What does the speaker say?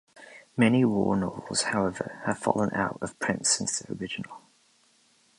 Many war novels, however, have fallen out of print since their original.